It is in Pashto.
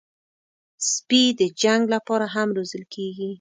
سپي د جنګ لپاره هم روزل کېږي.